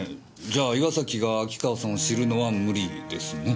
じゃあ岩崎が秋川さんを知るのは無理ですね。